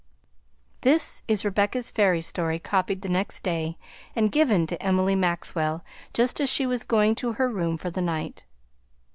This is Rebecca's fairy story, copied the next day and given to Emily Maxwell just as she was going to her room for the night.